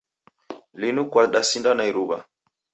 Linu kwadasinda na iruw'a.